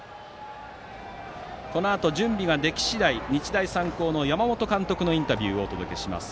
このあと準備ができ次第日大三高の三木監督のインタビューをお届けします。